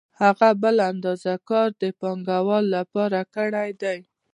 هغه بله اندازه کار د پانګوال لپاره کړی دی